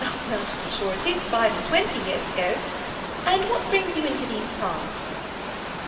Well, to be sure, it is five and twenty years ago. And what brings you into these parts?"